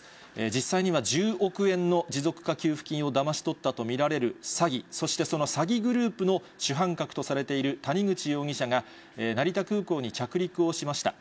実際には１０億円の持続化給付金をだまし取ったと見られる詐欺、そしてその詐欺グループの主犯格とされている谷口容疑者が、成田空港に着陸をしました。